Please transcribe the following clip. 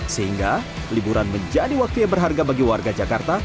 sehingga liburan menjadi waktunya berharga bagi warga jakarta